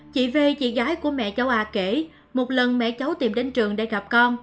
chị v chị gái của mẹ cháu a kể một lần mẹ cháu tìm đến trường để gặp con